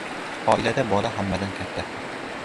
• Oilada bola hammadan katta.